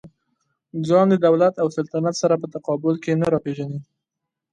ځان د دولت او سلطنت سره په تقابل کې نه راپېژني.